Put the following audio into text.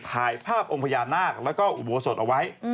ถ่ายภาพองค์พญานาคแล้วก็อุโบสถเอาไว้